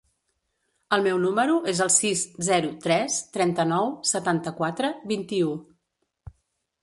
El meu número es el sis, zero, tres, trenta-nou, setanta-quatre, vint-i-u.